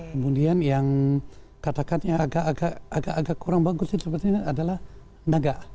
kemudian yang katakan yang agak agak kurang bagus sih sebetulnya adalah naga